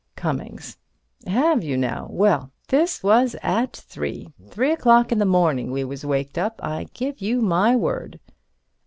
Cummings: Have you, now? Well, this was at three. Three o'clock in the morning we was waked up. I give you my word.